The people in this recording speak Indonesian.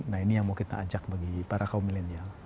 nah ini yang mau kita ajak bagi para kaum milenial